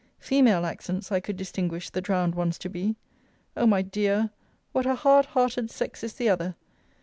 Female accents I could distinguish the drowned ones to be. O my dear! what a hard hearted sex is the other!